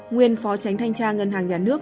nguyên phó tránh thanh tra ngân hàng nhà nước